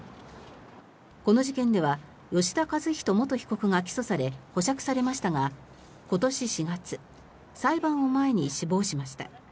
この事件では吉田和人元被告が起訴され保釈されましたが、今年４月裁判を前に死亡しました。